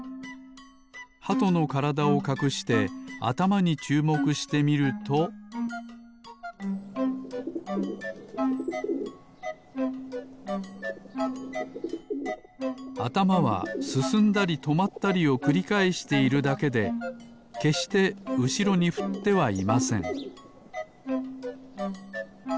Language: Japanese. ハトのからだをかくしてあたまにちゅうもくしてみるとあたまはすすんだりとまったりをくりかえしているだけでけっしてうしろにふってはいません